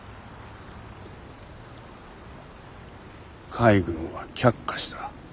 海軍は却下した。